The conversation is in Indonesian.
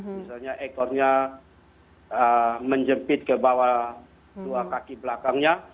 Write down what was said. misalnya ekornya menjepit ke bawah dua kaki belakangnya